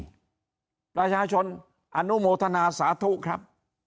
ดังนั้นอาชาชนอุโมทนาสาธุครับ